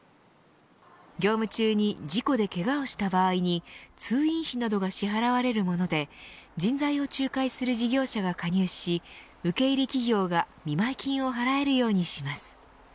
業務中に事故でけがをした場合に通院費などが支払われるもので人材を仲介する事業者が加入し受け入れ企業が見舞金を払えるようにします。